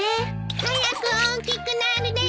早く大きくなるです。